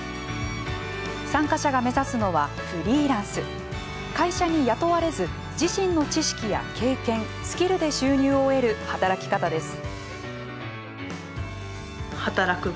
参加者が目指すのは会社に雇われず自身の知識や経験スキルで収入を得る働き方です。